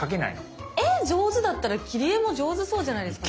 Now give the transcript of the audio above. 絵上手だったら切り絵も上手そうじゃないですか？